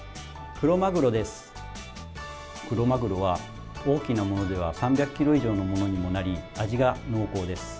クロマグロは、大きなものでは３００ｋｇ以上のものにもなり味が濃厚です。